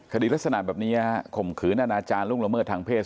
คดีลักษณะแบบนี้ข่มขืนอนาจารย์ล่วงละเมิดทางเพศ